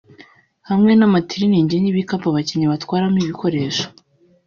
hamwe n’amatiliningi n’ibikapu abakinnyi batwaramo ibikoresho